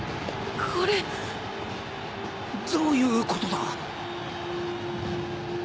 どういうことだ？